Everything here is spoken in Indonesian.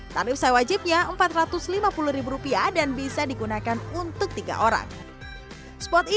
tarif saya wajibnya empat ratus lima puluh ribu rupiah dan bisa dikumpulkan dengan mobil jeep